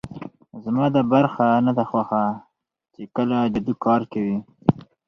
زما دا برخه نه ده خوښه چې کله جادو کار کوي